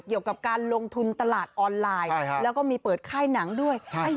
เกี่ยวกับการลงทุนตลาดออนไลน์แล้วก็มีเปิดค่ายหนังด้วย